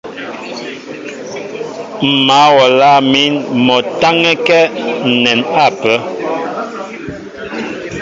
M̀ mǎl wɔ a lâŋ mín mɔ a tánɛ́kɛ́ ǹnɛn ápə́.